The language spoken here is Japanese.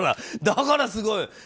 だからすごい。